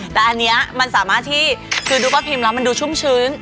แต่อันนี้มันสามารถที่คือดูว่าพิมพ์แล้วมันดูชุ่มชื้น